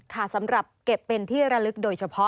สำหรับเก็บเป็นที่ระลึกโดยเฉพาะ